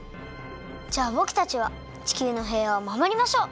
じゃあぼくたちは地球のへいわをまもりましょう！